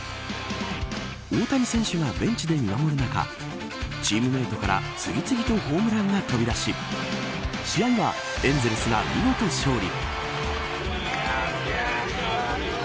大谷選手がベンチで見守る中チームメートから次々とホームランが飛び出し試合はエンゼルスが見事勝利。